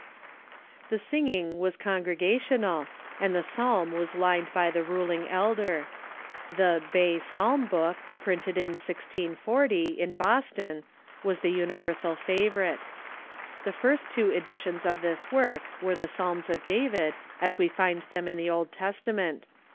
The singing was congregational, and the psalm was lined by the ruling elder. The "Bay Psalm Book," printed in 1640, .. in Boston, was the universal favorite. The first two edi tions of this work were the Psalms of David as we find them in the Old Testament.